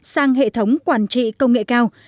sang hệ thống quản trị công nghệ cao